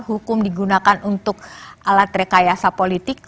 hukum digunakan untuk alat rekayasa politik